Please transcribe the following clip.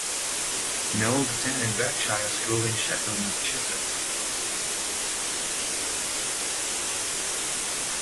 Knowles attended Berkshire School in Sheffield, Massachusetts.